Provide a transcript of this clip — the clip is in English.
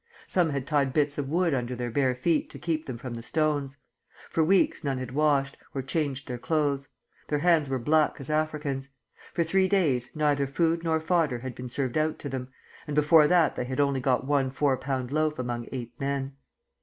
Some had tied bits of wood under their bare feet to keep them from the stones. For weeks none had washed, or changed their clothes. Their hands were black as Africans'. For three days neither food nor fodder had been served out to them, and before that they had only got one four pound loaf among eight men."